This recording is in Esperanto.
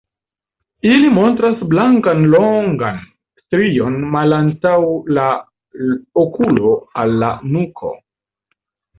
Ili montras blankan longan strion malantaŭ la okulo al la nuko.